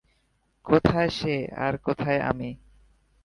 কোথায় সে আর কোথায় আমি।